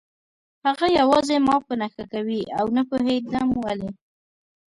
هغه یوازې ما په نښه کوي او نه پوهېدم ولې